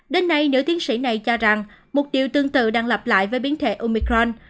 đến nay nữ tiến sĩ này cho rằng một điều tương tự đang lặp lại với biến thể omicron